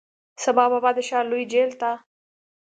سبا بابا د ښار لوی جیل ته،